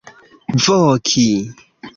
voki